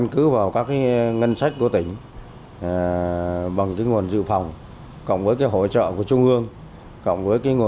của địa phương